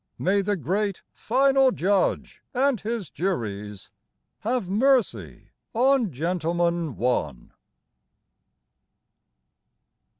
May the great Final Judge and His juries Have mercy on "Gentleman, One"!